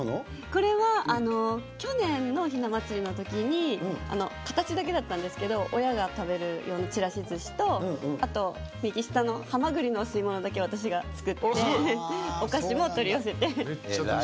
これは去年のひな祭りの時に形だけだったんですけど親が食べる用にちらしずしとはまぐりのお吸い物だけ私が作ってお菓子も取り寄せて。